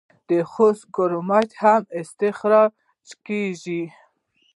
د خوست کرومایټ هم استخراج کیږي.